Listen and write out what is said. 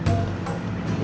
kau bet jualan cilok